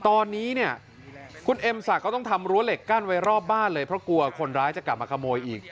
ตอนนี้เนี่ยคุณเอ็มศักดิ์ก็ต้องทำรั้วเหล็กกั้นไว้รอบบ้านเลยเพราะกลัวคนร้ายจะกลับมาขโมยอีก